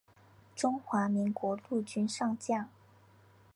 中华民国陆军上将。